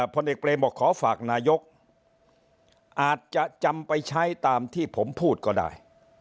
พลเอกเบรมบอกขอฝากนายกอาจจะจำไปใช้ตามที่ผมพูดก็ได้